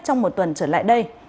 trong một tuần trở lại đây